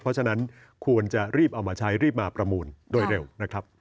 เพราะฉะนั้นควรจะรีบเอามาใช้รีบมาประมูลโดยเร็วนะครับ